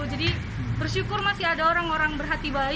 jadi bersyukur masih ada orang orang berhati hati